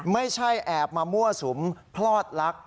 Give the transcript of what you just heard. ไม่ใช่แอบมามั่วสุมพลอดลักษ